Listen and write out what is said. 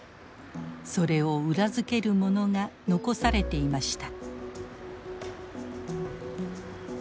それを裏付けるものが残されていました。